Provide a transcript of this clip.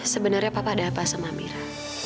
sebenarnya papa ada apa sama mira